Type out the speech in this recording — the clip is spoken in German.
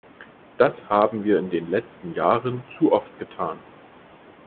Das haben wir in den letzten Jahren zu oft getan.